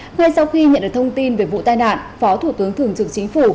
ngay sau khi nhận được thông tin về vụ tai nạn phó thủ tướng thường trực chính phủ